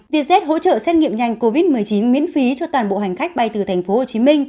vietjet hỗ trợ xét nghiệm nhanh covid một mươi chín miễn phí cho toàn bộ hành khách bay từ tp hcm